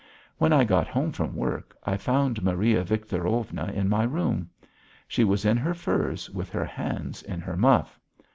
When I got home from work I found Maria Victorovna in my room. She was in her furs with her hands in her muff.